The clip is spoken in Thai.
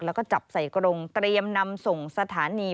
แล้วก็จับใส่กรงเตรียมนำส่งสถานี